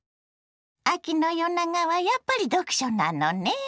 秋の夜長はやっぱり読書なのね。